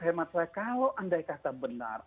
hemat saya kalau andai kata benar